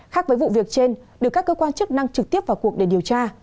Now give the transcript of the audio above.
khác với vụ việc trên được các cơ quan chức năng trực tiếp vào cuộc để điều tra